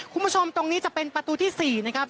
คุณผู้ชมตรงนี้จะเป็นประตูที่๔นะครับ